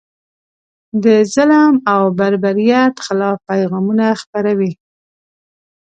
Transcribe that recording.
د ظلم او بربریت خلاف پیغامونه خپروي.